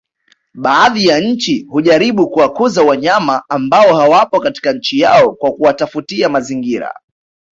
Baadhi ya nchi hujaribu kuwakuza wanyama ambao hawapo katika nchi yao kwa kuwatafutia mazingira